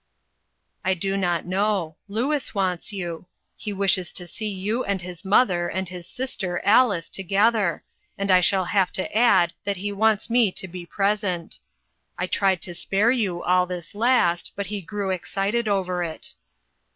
" I do not know. Louis wants you. He wishes to see you and his mother and his sister Alice together, and I shall have to add that he wants me to be present. I tried to spare you all this last, but he grew excited over it."